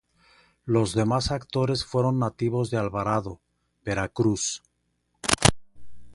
Los demás actores fueron nativos de Alvarado, Veracruz.